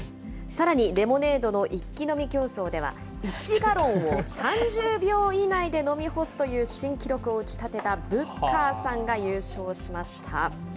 さらに、レモネードの一気飲み競争では、１ガロンを３０秒以内で飲み干すという新記録を打ち立てたブッカーさんが優勝しました。